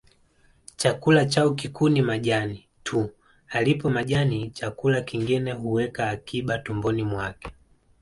Chakula chao kikuu ni majani tu alipo majani chakula kingine huweka akiba tumboni mwake